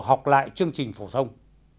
học lại chương trình phổ thông